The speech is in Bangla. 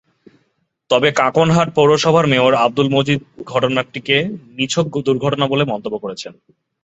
তবে কাঁকনহাট পৌরসভার মেয়র আবদুল মজিদ ঘটনাটিকে নিছক দুর্ঘটনা বলে মন্তব্য করেছেন।